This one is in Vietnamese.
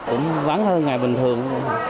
cũng vắng hơn ngày bình thường